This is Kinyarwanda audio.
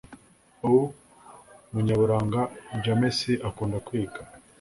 u munyaburanga jamesi akunda kwiga.